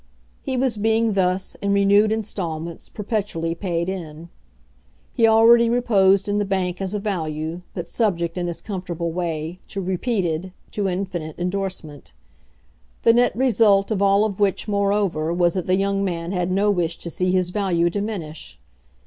He was being thus, in renewed instalments, perpetually paid in; he already reposed in the bank as a value, but subject, in this comfortable way, to repeated, to infinite endorsement. The net result of all of which, moreover, was that the young man had no wish to see his value diminish.